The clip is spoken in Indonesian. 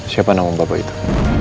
siapa namamu bapak itu